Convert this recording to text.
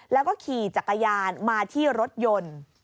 แล้วก็ขี่จักรยานมาที่รถยนต์